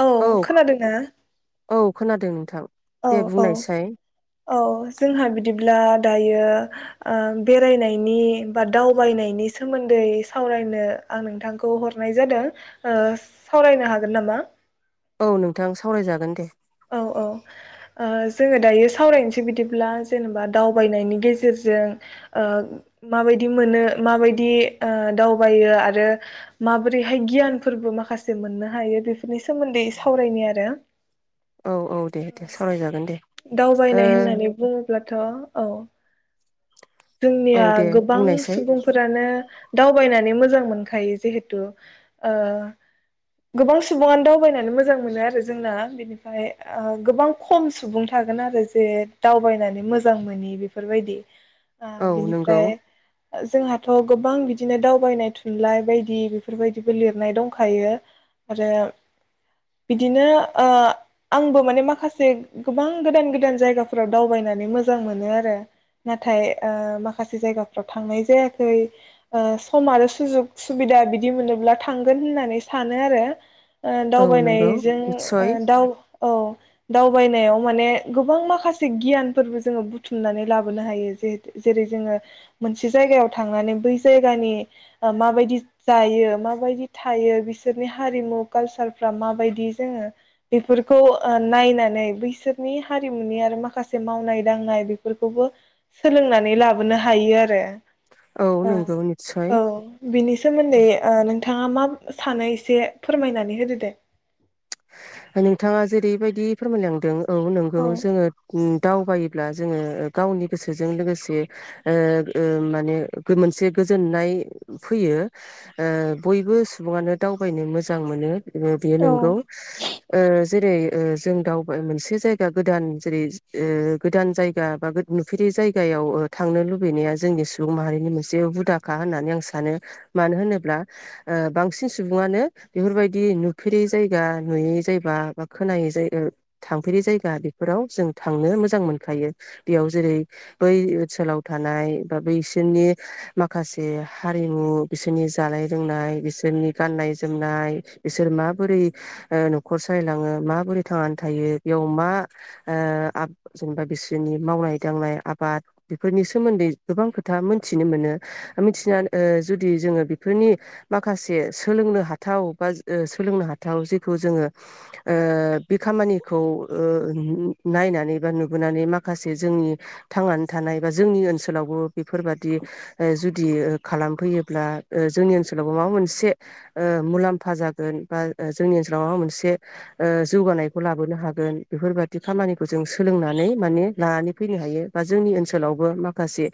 हेल औ खोनादोंना औ खोनादों नोंथां औ दे औ बुंनायसाय औ जोंहा बिदिब्ला। दायो ओ बेरायनायनि बा दावबायनायनि सोमोन्दै सावरायनो आं नोंथांखौ हरनाय जादों ओ सावरायनो हागोन नामा? औ नोंथां सावरायजागोन दे। औ औ आ जोङो दायो सावरायनोसै बिदिब्ला जेनेबा दावबायनायनि गेजेरजों ओ माबायदि मोनो माबायदि ओ दावबायो आरो माबोरैहाय गियानफोरबो माखासे मोननो हायो। बेफोरनि सोमोन्दै सावरायनि आरो औ औ दे दे सावराय जागोन दे ओ दावबायनाय होननानै बुङोब्लाथ' औ औ जोंनिया दे गोबां बुंनायसाय सुबुंफोरानो दावबायनानै मोजां मोनखायो जिहेथु ओ गोबां सुबङानो दावबायनानै मोजां मोनो आरो जोंना बिनिफ्राय ओ गोबां खम सुबुं थागोन आरो जे दावबायनानै मोजां मोनि बेफोरबायदि ओ औ नंगौ। बिनिफ्राय जोंहाथ' गोबां बिदिनो दावबायनाय थुनलाइ बायदि बेफोरबायदिबो लिरनाय दंखायो आरो बिदिनो ओ आंबो माने माखासे गोबां गोदान गोदान जायगाफोराव दावबायनानै मोजां मोनो आरो नाथाय ओ माखासे जायगाफ्राव थांनाय जायाखै ओ सम आरो सुजुग सुबिदा बिदि मोनोब्ला थांगोन होननानै सानो आरो ओ औ नंगौ दावबायनायजों निस्सय ओ दाव औ दावबायनायाव माने गोबां माखासे गियानफोरबो जोङो बुथुमनानै लाबोनो हायोे जे। जेरै जोङो मोनसे जायगायाव थांनानै बै जायगानि ओ माबायदि जायो माबायदि थायो बिसोरनि हारिमु कालसारफ्रा माबायदि जोङो बेफोरखौ ओ नायनानै बैसोरनि हारिमुनि आरो माखासे मावनाय दांनाय बेफोरखौबो सोलोंनानै लाबोनो हायो आरो। औ ओ नंगौ निस्सय औ बिनि सोमोन्दै ओ नों नोंथाङा मा सानो एसे फोरमायनानै होदो दे। नोंथाङा जेरैबायदि फोरमायलांदों औ नंगौ जोङो उम दावबायोब्ला जोङो गावनि गोसोजों लोगोसे ओ ओ माने मोनसे गोजोननाय फैयो ओ बयबो सुबुङानो दावबायनो मोजां मोनो बेयो औ नंगौ। ओ जे जेरै जों दावबाय ओ मोनसे जायगा गोदान जेरै ओ गोदान जायगा बा नुफेरै जायगायाव ओ थांनो लुबैनाया जोंनि सुबुं माहारिनि मोनसे हुदाखा होननानै आं सानो मानो होनोब्ला ओ बांसिन सुबुङानो बेफोरबायदि नुफेरै जायगा जायगा नुयै जायबा खोनायै जा थांफेरै जायगा बेफोराव जों थांनो मोजां मोनखायो बेयाव जेरै बै ओनसोलाव थानाय बा बैसोरनि माखासे हारिमु बिसोरनि जानाय लोंनाय बिसोरनि गाननाय जोमनाय बिसोर माबोरै न'खर सालायलाङो माबोरै थांनानै थायो बेयाव मा ओ आ जेनेबा बिसोरनि मावनाय दांनाय आबाद बेफोरनि सोमोन्दै गोबां खोथा मोनथिनो मोनो मिथिनानै जुदि जोङो बेफोरनि माखासे सोलोंनो हाथाव बा सोलोंनो हा थाव जेखौ जोङो ओ बे खामानिखौ ओ नायनानै बा नुबोनानै माखासे जोंनि थांनानै थानाय बा जोंनि ओनसोलावबो बेफोरबादि ओ जुदि खालामफैयोब्ला ओ जोंनि ओनसोलावबो माबा मोनसे ओ मुलाम्फा जागोन बा जोंनि ओनसोलाव माबा मोनसे ओ जौगानायखौ लाबोनो हागोन बेफोरबादि खामानिखौ जों सोलोंनानै माने लानानै फैनो हायो बा जोंनि ओनसोलावबो माखासे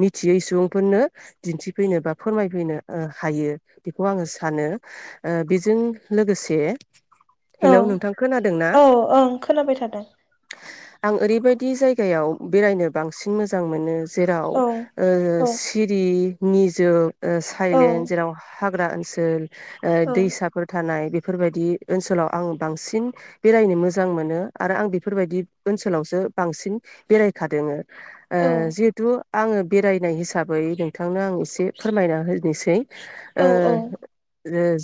मिथियै सुबुंफोरनो दिन्थिफैनो बा फोरमायफैनो ओ हायो बेखौ आङो सानो ओ बेजों। लोगोसे औ हेलौ नोंथां खोनादों ना औ ओं खोनाबाय थादों। आं ओरैबायदि जायगायाव बेरायनो बांसिन मोजां मोनो। जेराव औ ओ औ सिरि निजोम ओ औ साइलेन जेराव हा हाग्रा ओनसोल ओ औ दैसाफोर थानाय बेफोरबायदि ओनसोलाव आं बांसिन बेरायनो मोजां मोनो आरो आं बेफोरबायदि ओनसोलावसो बांसिन बेरायखादों। ओ औ जिहेथु आङो बेरायनाय हिसाबै नोंथांनो आं एसे फोरमायना होनोसै। औ ओ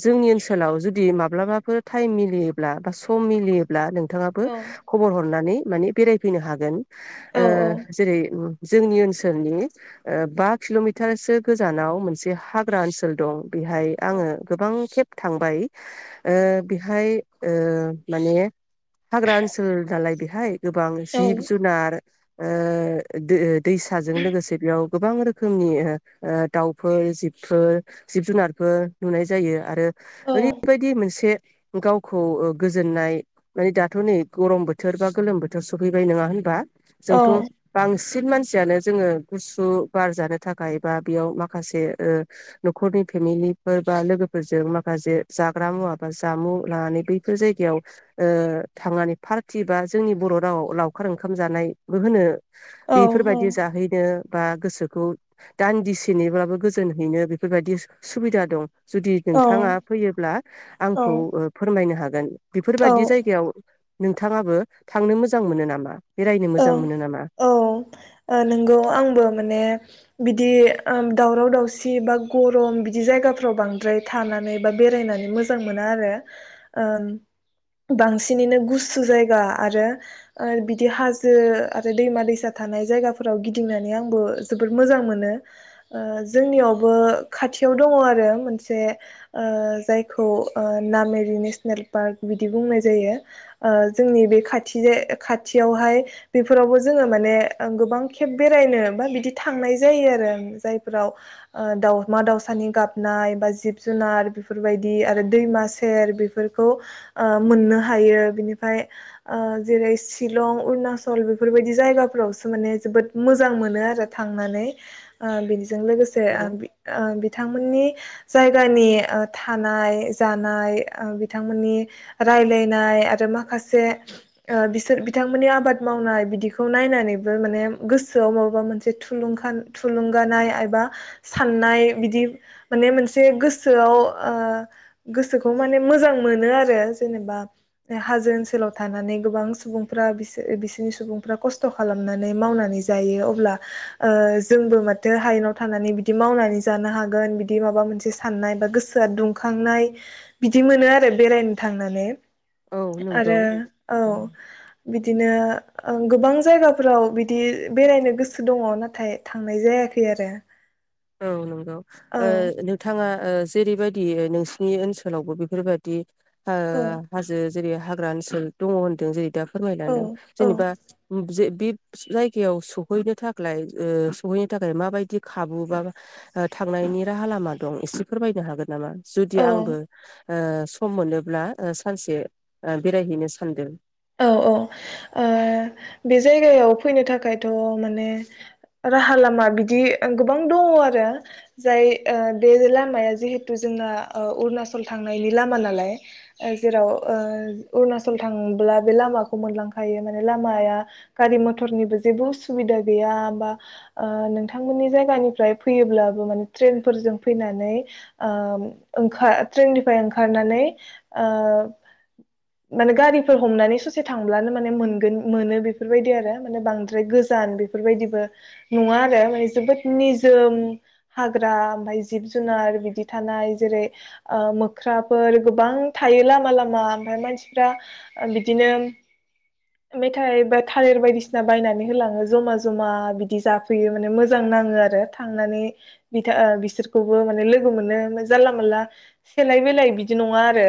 जोंनि ओनसोल हटेलाव जुदि माब्लाबाफोर टाइम मिलियोब्ला बा सम मिलियोब्ला नों नोंथाङाबो औ खबर हरनानै माने बेरायफैनो हागोन। औ ओ जेरै जोंनि ओनसोलनि ओ बा किल'मिटारसो गोजानाव मोनसे हाग्रा ओनसोल दं। बेहाय आङो गोबां खेब थांबाय ओ बेहाय ओ माने हाग्रा ओनसोल दालाय बे हाय गोबां जिब जुनार ओ दो दैसाजों लोगोसे बेयाव गोबां रोखोमनि ओ दाउफोर जिबफोर जिब जुनारफोर नुनाय जायो आरो। औ ओरैबायदि मोनसे गावखौ गोजोननाय माने दाथ नै गरम बोथोर बा गोलोम बोथोर सफैबाय नङा होनबा औ जोंथ' बांसिन गिदिर मानसियानो जोङो गुसु बारजानो थाखाय बा बेयाव मा खासे न'खरनि फेमिलिफोर बा लोगोफोरजों मा माखा जसे जाग्रा मुवा बा जामुं लानानै बैफोर जायगायाव थांनानै पार्टि बा जोंनि बर' रावाव लावखार ओंखाम जानायबो होनो। औ बेफोरबायदि जाहैनो बा गोसोखौ दान्दिसेनिब्लाबो गोजोन हैैनो बेफोरबायदि सु- सुबिदा दं जुदि औ नोंथाङा फैयोब्ला औ आंखौ ओ फोरमाय फैनो हागोन। बेफोरबायदि औ जायगायाव नोंथाङाबो थांनो मोजां मोनो नामा? बेरायनो मोजां ओं मोनो नामा औ ओ नंगौ आंबो माने बिदि दावराव दावसि बा गरम बिदि जायगाफ्राव बांद्राय थानानै बा बेरायनानै मोजां मोना आरो ओ बांसिनैनो गुसु जायगा आरो बिदि हाजो जो आरो दैमा दैसा थानाय जायगाफोराव गिदिंनानै आंबो जोबोर मोजां मोनो ओ जोंनियावबो खाथियाव दङ आरो मोनसे जायखौ नामेरि नेसनेल पार्क बिदि बुंनाय जायो ओ जोंनि बे खाथि जाय खाथियावहाय बेफोरावबो जोङो माने गोबां खेब बेरायनो बा बिदि थांनाय जायो आरो जायफोराव दाउमा दावउसानि गाबनाय बा जिब जुनार बेफोरबायदि आरो दैमा सेर बेफोरखौ ओ मोननो हायो बिनिफ्राय ओ जेरै शिलं अरुनाचल सल बेफोरबायदि जायगाफोरावसो माने जोबोद मोजां मोनो आरो थांनानै ओ बिदि जों लोगोसे ओ बि ओ बिथां बिथांमोननि जायगानि थानाय जानाय बिथांमोननि रायलायनाय आरो माखासे बिसोर बिथांमोननि आबाद मावनाय बिदिखौ नायनानैबो माने गोसोआव माबबा मोनसे थुुंखां थुलुंगानाय एबा साननाय बिदि माने मोनसे गोसोआव ओ गोसोखौ माने मोजां मोनो आरो जेनेबा हाजो ओनसोलाव थानानै गोबां सुबुंफ्रा बिसोर बिसोरनि सुबुंफ्रा खस्थ खालामनानै मावनानै जायो अब्ला ओ जोंबो माथो हायेनाव थानानै बिदि मावनानै जानो हागोन बिदि माबा मोनसे साननाय बा गोसोआ दुंखांनाय बिदि मोनो आरो बेरायनो थांनानै औ आरो नंगौ औ बिदि नो गोबां जायगाफोराव बिदि बेरायनो गोसो दङ नाथाय थांनाय जायाखै आरो औ नं ओ औ नोंथाङा ओ जेरैबायदि नोंसिनि ओनसोलावबो बेफोरबायदि ओ औ हाजो जेरै हाग्रा ओनसोल दङ होनदों जेरै दा औ फोरमायलांदों औ जेनेबा जे बि जायगायाव सहैनो थाखलाय ओ सहैनो थाखाय माबायदि खाबु मा थांनायनि राहा लामा दं एसे फोरमायनो हागोन नामा? जुदि औ आंबो ओ सम मोनोब्ला ओ सानसे बेरायहैनो सानदों औ औ ओ बे जायगायाव फैनो थाखायथ' माने राहा लामा बिदि गोबां दङ आरो जाय ओ बे लामाया जिहेथु जोंना ओ अरुणचल थांनायनि लामा नालाय ओ जेराव ओ अरुनाचल थांब्ला बे लामाखौ मोनलांखायो माने लामाया गारि मटरनिबो जेबों उसुबिदा गैया बा ओ नोंथांमोननि जायगानिफ्राय फैयोबाबो माने ट्रेनफोरजों फैनानै आ ओंखार ट्रेनननिफ्राय ओंखारनानै आ माने गारिफोर हमनानै ससे थांब्लानो माने मोनोन मोनो बेफोरबायदि आरो माने बांद्राय गोजान बेफोरबायदिबो नङा आरो माने जोबोद निजोम हाग्रा ओमाय जिब जुनार बिदि थानाय जेरै ओ मोख्राफोर गोबां थायो लामा लामा ओमफ्राय मानसिफ्रा बि बिदिनो मेथाइ बा थालिर बायदिसिना बायनानै होलाङो जमा जमा बिदि जाफैयो माने मोजां नाङो आरो थांनानै बिथा ओ बिसोरखौबो माने लोगो मोनो जानला मोनानला सेलाय बेलाय बिदि नङा आरो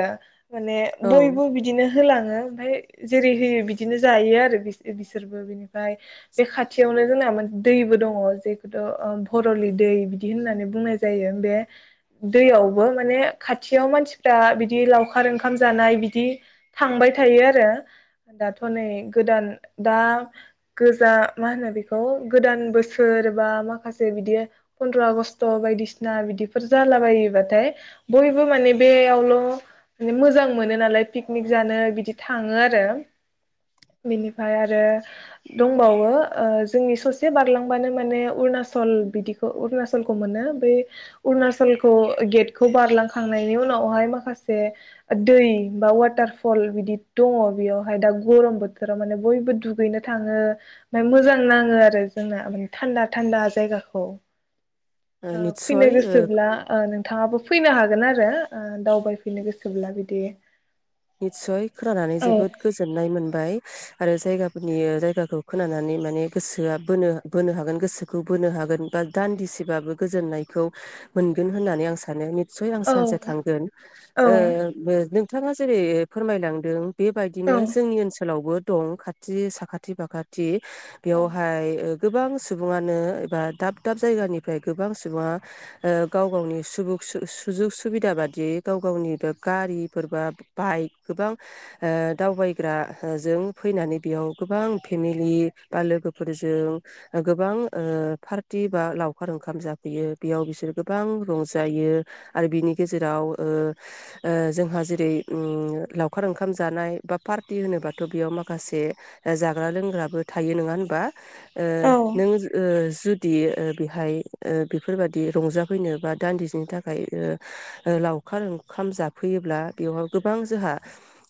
माने औ बयबो बिदिनो होलाङो ओमफाय जेरै होयो बिदिनो जायो आरो बि-बिसोरबो बिनिफ्राय ओमफ्राय बे खाथियावनो जोंना दैबो दङ जेखौथ' ओ भरलि दै बिदि होननानै बुंनाय जायो बे दैयावबो माने खाथियाव मानसिफ्रा बिदि लावखार ओंखाम जानाय बिदि थांबाय थायो आरो दाथ' नै गोदान दा गोजा मा होनो बेखौ गोदान बोसोर बा माखासे बिदि फन्द्र' आगषट' बायदिसिना बिदिफोर जालाबायोबाथाय बयबो माने बेयावल' मे मोजां मोनो नालाय पिकनिक जानो बि थाङो आरो बिनिफ्राय आरो दंबावो ओ जोंनि ससे बारलांबानो माने अरुणचल बिदिखौ अरुणचलखौ मोनो बै अरुणचलखौ गेटखौ बारलांखांनायनि उनावहाय माखासे दै बा वाटार फल बिदि दङ बेयावहाय दा गरम बोथोराव माने बयबो दुगैनो थाङो ओमफ्राय मोजां नाङो आरो जोंना माने थान्दा थान्दा जायगाखौ ओ फैनो निस्सय ओ गोसोब्ला ओ नोंथाङाबो फैनो हागोन आरो ओ दावबायफिननो गोसोब्ला बिदि निस्सय खोनानानै औ जोबोद गोजोननाय मोनबाय आरो जायगाफोरनि जायगाखौ खोनानानै माने गोसोआ बोनो बोनो हागोन गोसोखौ बोनो हागोन बा दान्दिसेबाबो गोजोननायखौ मोनगोन होननानै आं सानो। सय आं औ सानसे थांगोन ओ औ बा नों [unintelligible] जेरै फोरमायलांदों बेबायदिनो जोंनि ओनसोलावबो दं खाथि साखाथि फाखाथि औ बेयावहाय गोबां सुबुङानो एबा दाब दाब जायगानिफ्राय गोबां सुबुङा ओ गाव गावनि सुजुग सुबिदा बादियै गाव गावनि बे गारिफोरबा बाइक गोबां दावबायग्रा जों फैनानै बेयाव गोबां फेमिलि बा लोगोफोरजों गोबां ओ पार्टि बा लावखार ओंखाम जाफैयो बेयाव बिसोरो गोबां रंजायो आरो बिनि गेजेरजों आव ओ ओ जों जोंहा जेरै उम लावखार ओंखाम जानाय बा पार्टि होनोबाथ' बेयाव माखासे जाग्रा लोंग्राबो थायो नङा होनबा ओ औ। नों ओ जुदि ओ बेहाय ओ बेफोरबायदि रंजाफैनो बा दान्दिसेनि थाखाय ओ लावखार ओंखाम जाफैयोब्ला बेवहाय गोबां जोंहा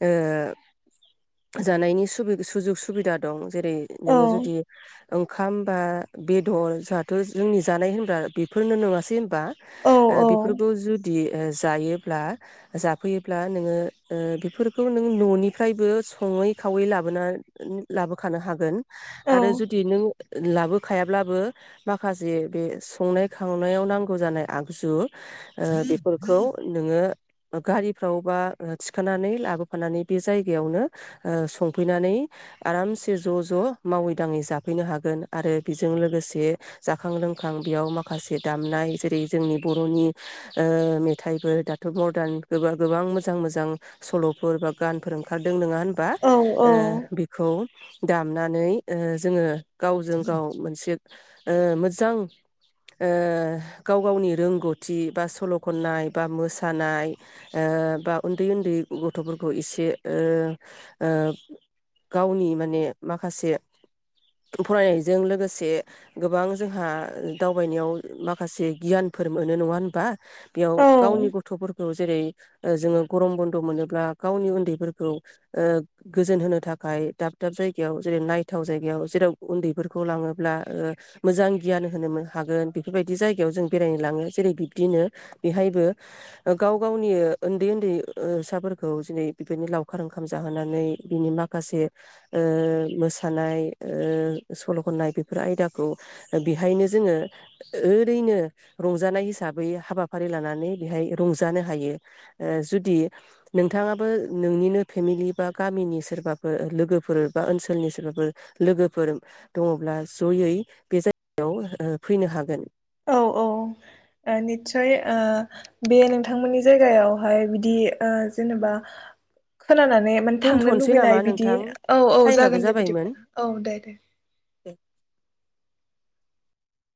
ओ जानायनि सुजुग सुबिदा दं। जेरै औ नोङो जुदि ओंखाम बा बेदर जाहाथ' जोंनि जानाय होनग्रा बेफोरनो नोङासै बा औ ओ बेफोरखौ जुदि जायो ब्ला जाफैयोब्ला नोङो ओ बेफोरखौ नों न'निफ्रायबो सङै खावै लाबोना लाबोखानो हागोन औ आरो जुदि नों लाबो खायाब्लाबो माखासे बे संनाय खावनायाव नांगौ जानाय आगजु ओ बेफोरखौ नोङो गारिफ्राव बा थिखोनानै लाबोफानानै बे जायगायावनो ओ संफैनानै आरामसे ज' ज' मावै दाङै जाफैनो हागोन आरो बेजों लोगोसे जाखां लोंखां बेयाव माखासे दामनाय जेरै जोंनि बर'नि ओ मेथाइफोर दाथ' मरदान गोबा गोबां मोजां मोजां सल'फोर बा गानफोर ओंखारदों नङा होनबा औ ओ बिखौ दामनानै ओ जोङो गावजों गाव मोनसे ओ मोजां ओ गाव गावनि रोंगौथि बा सल' खननाय बा मोसानाय ओ बा उन्दै उन्दै गथ'फोरखौ एसे ओ ओ गावनि माने माखासे फरायनायजों लोगोसे गोबां जोंहा दावबायनायाव माखासे गियानफोर मोनो नङा होनबा औ बेयाव गावनि गथ'फोरखौ जेरै ओ जोङो गरम बन्द' मोनोब्ला गावनि उन्दैफोरखौ ओ गोजोन होनो थाखाय दाब दाब जायगायाव जेरै नायथाव जायगायाव जेराव उन्दैफोरखौ लाङोब्ला ओ मोजां गियान होनो हागोन बेफोरबायदि जायगायाव जों बेरायनो लाङो जेरै बिब्दिनो बेहायबो गाव गावनि ओन्दै ओन्दै ओ साफोरखौ जेनै बेबायदिनो लावखार ओंखाम जाहोनानै बिनि माखासे ओ मोसानाय ओ सल'खननाय बेफोर आयदाखौ बेहायनो जोङो ओरैनो रंजानाय हिसाबै हाबाफारि लानानै बेहाय रंजानो हायो ओ जुदि नोंथाङाबो नोंनिनो फेमिलि बा गामिनि सोरबाफोर लोगोफोर बा ओनसोलनि सोरबाफोर लोगोफोर दङब्ला जयै बे जायगायाव ओ फैनो हागोन औ औ ओ निस्सय बे नोंथांमोननि जायगायावहाय बिदि ओ जेनेबा खोनानानै माने थांनो दोनथ'नोसै नामा लुुबैनाय बिदि नोंथां औ औ टाइमाबो जागोन दे जाबायमोन। बिदिब्ला औ दे दे।